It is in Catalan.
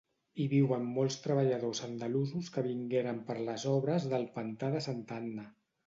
Hi viuen molts treballadors andalusos que vingueren per les obres del pantà de Santa Anna.